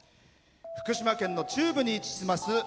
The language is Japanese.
福島県の中部に位置します